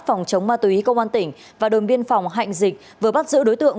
phòng chống ma túy công an tỉnh và đồn biên phòng hạnh dịch vừa bắt giữ đối tượng